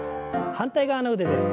反対側の腕です。